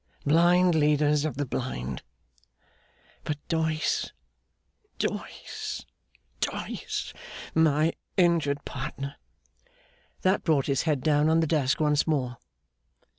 Blind leaders of the blind! But Doyce, Doyce, Doyce; my injured partner!' That brought his head down on the desk once more.